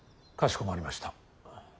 かしこまりました。